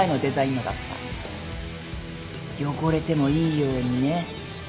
汚れてもいいようにね。